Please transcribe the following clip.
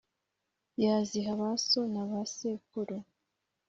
yaziha ba so na basekuru